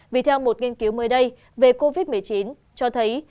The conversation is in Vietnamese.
vì theo một nghiên cứu mới đây về covid một mươi chín cho thấy